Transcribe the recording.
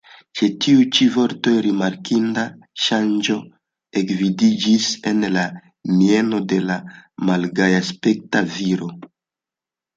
Ĉe tiuj ĉi vortoj rimarkinda ŝanĝo ekvidiĝis en la mieno de la malgajaspekta viro.